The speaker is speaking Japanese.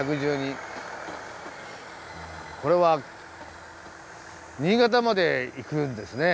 これは新潟まで行くんですね。